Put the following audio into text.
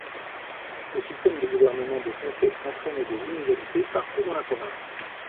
Le système de gouvernement de comtés entraînait des inégalités partout dans la province.